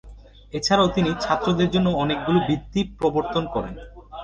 এছাড়াও তিনি ছাত্রদের জন্য অনেকগুলো বৃত্তি প্রবর্তন করেন।